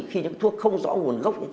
khi những thuốc không rõ nguồn gốc